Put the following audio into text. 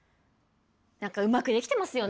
何かうまくできてますよね。